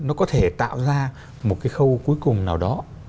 nó có thể tạo ra một cái khâu cuối cùng nào đó